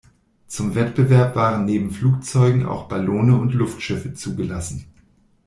Zum Wettbewerb waren neben Flugzeugen auch Ballone und Luftschiffe zugelassen.